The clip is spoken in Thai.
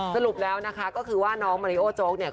สรุปแล้วนะคะก็คือว่าน้องมาริโอโจ๊กเนี่ย